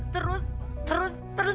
terus terus terus